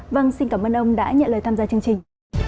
vâng xin cảm ơn ông đã nhận lời tham gia chương trình